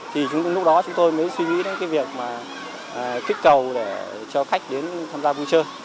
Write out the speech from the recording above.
thì lúc đó chúng tôi mới suy nghĩ đến cái việc mà kích cầu để cho khách đến tham gia vui chơi